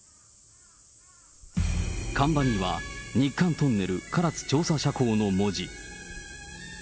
看板には、日韓トンネル唐津調査斜坑の文字。